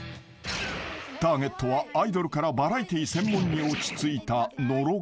［ターゲットはアイドルからバラエティー専門に落ち着いた］